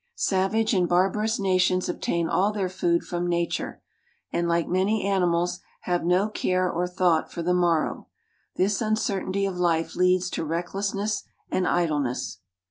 Savage and barbarous nations obtain all their food from nature, and, like many animals, have no care or thought for the morrow ; this un certainty of life leads to recklessness and idleness.